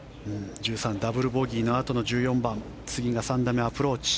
１３、ダブルボギーのあとの１４番次が３打目、アプローチ。